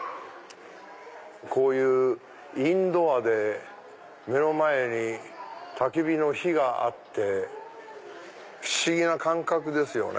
こういうインドアで目の前にたき火の火があって不思議な感覚ですよね。